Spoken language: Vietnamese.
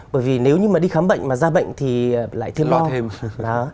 bởi vì nếu như đi khám bệnh mà ra bệnh thì lại thêm loạn